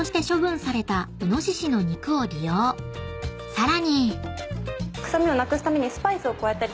［さらに］